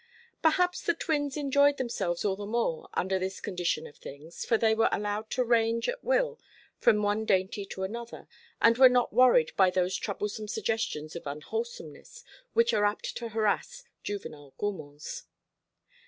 Perhaps the twins enjoyed themselves all the more under this condition of things, for they were allowed to range at will from one dainty to another, and were not worried by those troublesome suggestions of unwholesomeness, which are apt to harass juvenile gourmands.